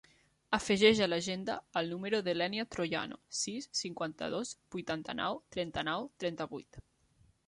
Afegeix a l'agenda el número de l'Ènia Troyano: sis, cinquanta-dos, vuitanta-nou, trenta-nou, trenta-vuit.